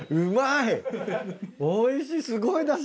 おいしい。